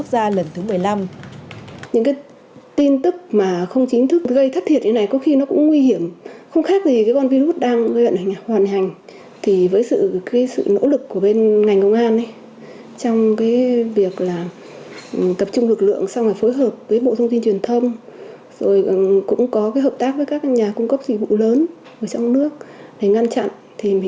đạt giải báo chí quốc gia lần thứ một mươi năm